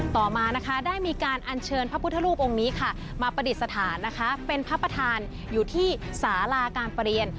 ต่อมานะคะได้มีการอัญเชิญพระพุทธรูปองค์นี้ค่ะมาประดิษฐานนะคะเป็นพระประธานอยู่ที่สาราการประเรียน